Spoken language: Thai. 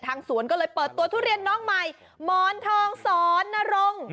สวนก็เลยเปิดตัวทุเรียนน้องใหม่หมอนทองสอนนรงค์